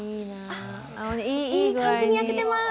いい感じに焼けてます。